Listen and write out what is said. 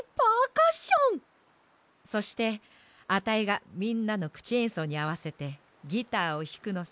そしてアタイがみんなのくちえんそうにあわせてギターをひくのさ。